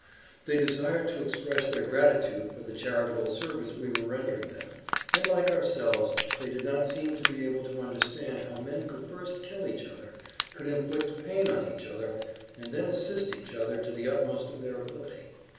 They desired to express their gratitude for the charitable service we were rendering them, and like ourselves they did not seem to be able to understand how[Pg 59] men could first kill each other, could inflict pain on each other, and then assist each other to the utmost of their ability.